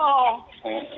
ini dari antara